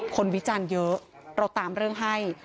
วิจารณ์เยอะเราตามเรื่องให้